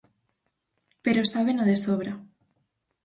Pero sábeno de sobra.